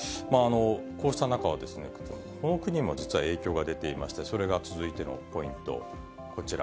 こうした中、この国も実は影響が出ていまして、それが続いてのポイント、こちら。